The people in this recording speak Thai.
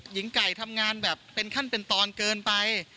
หญิงไก่ทำงานแบบเป็นขั้นเป็นตอนเกินไป